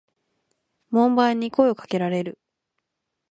門番に声を掛けられる。